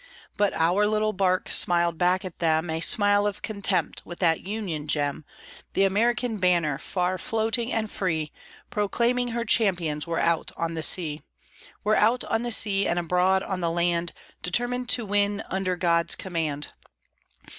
But our little bark smiled back at them A smile of contempt, with that Union gem, The American banner, far floating and free, Proclaiming her champions were out on the sea; Were out on the sea, and abroad on the land, Determined to win under God's command.